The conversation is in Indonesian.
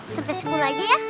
sampai seratus lagi ya